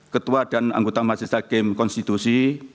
ketua dan anggota mahasiswa km konstitusi